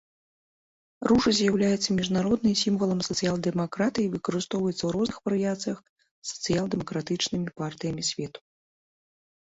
Ружа з'яўляецца міжнародным сімвалам сацыял-дэмакратыі і выкарыстоўваецца ў розных варыяцыях сацыял-дэмакратычнымі партыямі свету.